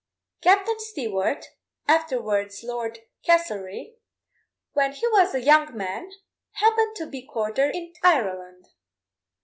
Captain Stewart, afterwards Lord Castlereagh, when he was a young man, happened to be quartered in Ireland.